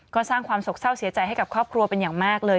ก็สร้างความสกเศร้าเสียใจให้กับครอบครัวเป็นอย่างมากเลย